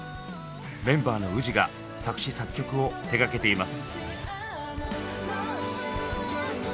メンバーのＷＯＯＺＩが作詞作曲を手がけています。